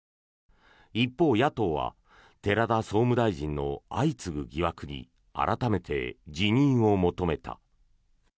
一方、野党は寺田総務大臣の相次ぐ疑惑に改めて辞任を求めた。